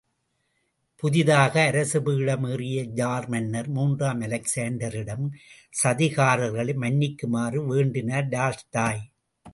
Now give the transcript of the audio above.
புதிதாக அரச பீடம் ஏறிய ஜார் மன்னன் மூன்றாம் அலெக்சாண்டரிடம், சதிகாரர்களை மன்னிக்குமாறு வேண்டினார் டால்ஸ்டாய்.